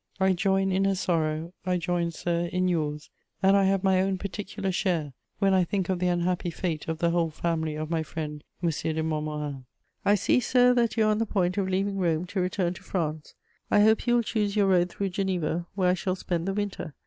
I join in her sorrow, I join, sir, in yours, and I have my own particular share when I think of the unhappy fate of the whole family of my friend M. de Montmorin. "I see, sir, that you are on the point of leaving Rome to return to France: I hope you will choose your road through Geneva, where I shall spend the winter.